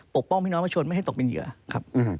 ป้องพี่น้องประชาชนไม่ให้ตกเป็นเหยื่อครับ